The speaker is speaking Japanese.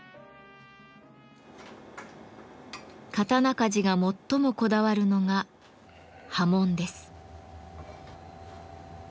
刀鍛冶が最もこだわるのが刃文です。